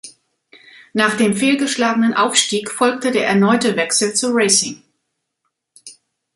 Nach dem fehlgeschlagenen Aufstieg folgte der erneute Wechsel zu Racing.